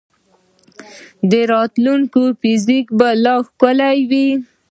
د راتلونکي فزیک به لا ښکلی وي.